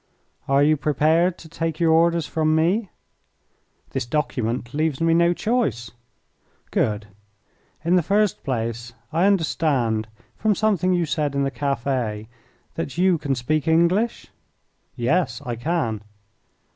"Are you prepared to take your orders from me?" "This document leaves me no choice." "Good! In the first place, I understand from something you said in the cafe that you can speak English?" "Yes, I can."